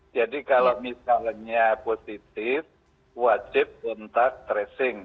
jadi kalau misalnya positif wajib bentak tracing